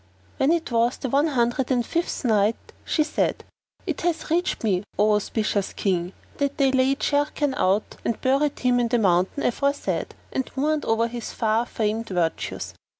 When it was the One Hundred and Fifth Night, She said, It hath reached me, O auspicious King, that they laid Sharrkan out and buried him in the mountain aforesaid and mourned over his far famed virtues.